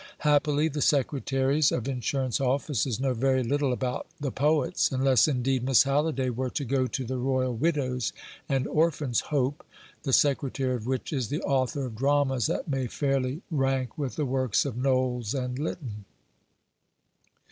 Happily, the secretaries of insurance offices know very little about the poets, unless, indeed, Miss Halliday were to go to the Royal Widow's and Orphan's Hope, the secretary of which is the author of dramas that may fairly rank with the works of Knowles and Lytton."